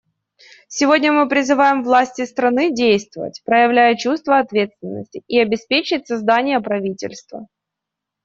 Сегодня мы призываем власти страны действовать, проявляя чувство ответственности, и обеспечить создание правительства.